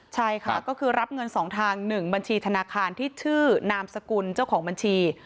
ใช่ค่ะก็คือรับเงิน๒ทาง๑บัญชีธนาคารที่ชื่อนามสกุลเจ้าของบัญชี